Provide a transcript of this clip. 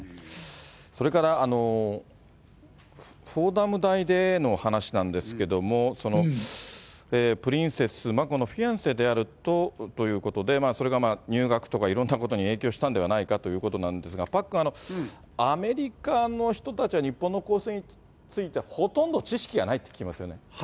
それから、フォーダム大での話なんですけれども、プリンセス・マコのフィアンセであると、それが入学とかいろんなことに影響したんではないかということなんですが、パックン、アメリカの人たちは、日本のこうせいについて、ほとんど知識がないって聞きますけどね。